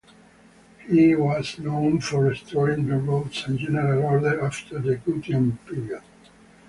He was known for restoring the roads and general order after the Gutian period.